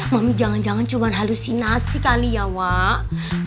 mami jangan jangan cuman halusinasi kali ya mbak